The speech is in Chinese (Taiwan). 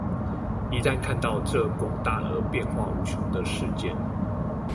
一旦看到這廣大而變化無窮的世間